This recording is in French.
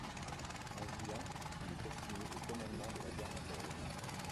En juin, il est assigné au commandement de la garde impériale.